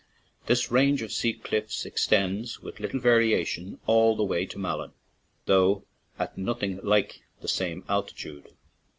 This range of sea cliff ex tends with little variation all the way to Malin, though at nothing like the same altitude.